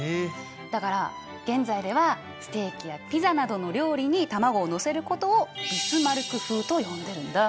だから現在ではステーキやピザなどの料理に卵をのせることをビスマルク風と呼んでるんだ。